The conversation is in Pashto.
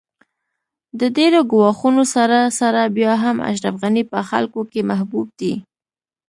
د ډېرو ګواښونو سره سره بیا هم اشرف غني په خلکو کې محبوب دی